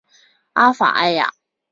阿法埃娅。